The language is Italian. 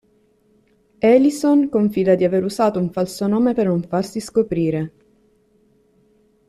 Alyson confida di aver usato un falso nome per non farsi scoprire.